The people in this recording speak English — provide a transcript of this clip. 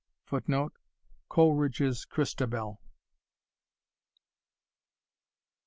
[Footnote: Coleridge's Christabelle.